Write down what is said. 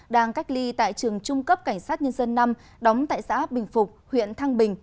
đang cách ly tại trường trung cấp cảnh sát nhân dân năm đóng tại xã bình phục huyện thăng bình